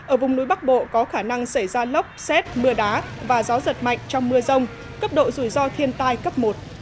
ở vùng núi bắc bộ có khả năng xảy ra lốc xét mưa đá và gió giật mạnh trong mưa rông cấp độ rủi ro thiên tai cấp một